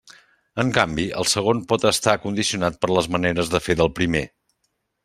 En canvi, el segon pot estar condicionat per les maneres de fer del primer.